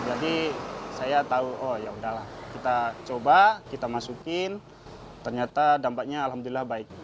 jadi saya tahu oh yaudahlah kita coba kita masukin ternyata dampaknya alhamdulillah baik